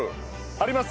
あります。